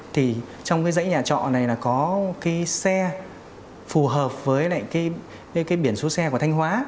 thì trong cái dãy nhà trọ này là có cái xe phù hợp với lại cái biển số xe của thanh hóa